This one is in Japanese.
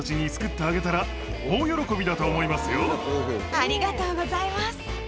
ありがとうございます。